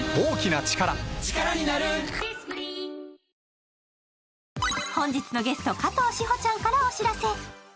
「ビオレ」本日のゲスト、加藤史帆ちゃんからお知らせ。